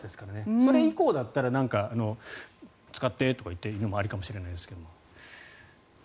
それ以降だったら使ってとかいうのもありかもしれないですけど。